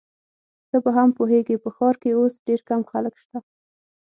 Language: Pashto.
ته به هم پوهیږې، په ښار کي اوس ډېر کم خلک شته.